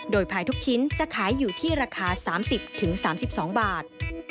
โดยภายทุกชิ้นจะขายอยู่ที่ราคา๓๐๓๒บาท